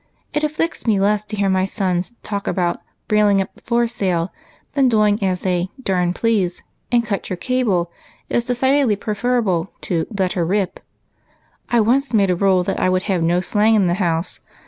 It afflicts me less to hear my sons talk about ' brailing up the foresail ' than doing as they ' darn please,' and ' cut your cable ' is decidedly prefer able to ' let her rip.' I once made a rule that I would have no slang in the house.